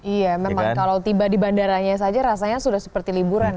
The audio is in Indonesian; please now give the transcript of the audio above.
iya memang kalau tiba di bandaranya saja rasanya sudah seperti liburan ya